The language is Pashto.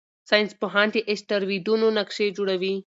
ساینسپوهان د اسټروېډونو نقشې جوړوي.